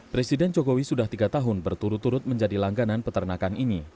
presiden jokowi sudah tiga tahun berturut turut menjadi langganan peternakan ini